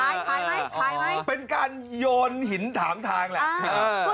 ขายขายไหมขายไหมเป็นการโยนหินถามทางแหละเออ